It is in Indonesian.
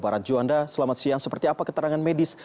barat juanda selamat siang seperti apa keterangan medis